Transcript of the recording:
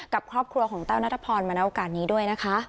กับครอบครัวของแต้วนัทพรมาในโอกาสนี้ด้วยนะคะ